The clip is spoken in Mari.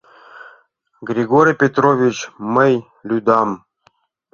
— Григорий Петрович, мый лӱдам...